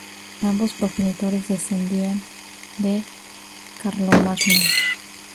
Ambos progenitores descendían de Carlomagno.